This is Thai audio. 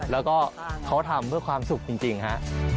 แล้วก็เขาทำเพื่อความสุขจริงฮะ